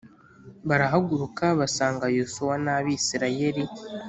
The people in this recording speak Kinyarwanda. Barahaguruka basanga yosuwa n abisirayeli